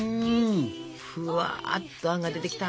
ふわっとあんが出てきた。